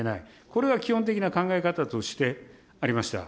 これは基本的な考え方として、ありました。